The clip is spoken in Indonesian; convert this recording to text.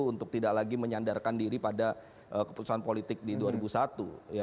untuk tidak lagi menyandarkan diri pada keputusan politik di dua ribu satu